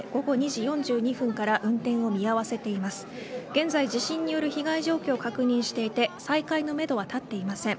現在地震による被害状況を確認していて再開のめどは立っていません。